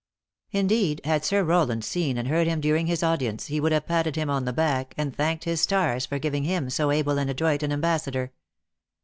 Indeed, had Sir Rowland seen and heard him during his audi ence, he would have patted him on the back, and thanked his stars for giving him so able and adroit an ambassador.